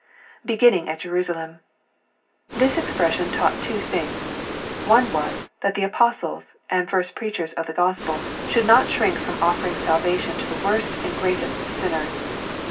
[Beginning at Jerusalem^ This expression taught two things. One was, that the Apostles and first preachers of the Gospel should not shrink from offering salvation to the worst and great est sinners.